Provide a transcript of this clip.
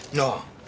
ああ。